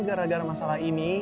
gara gara masalah ini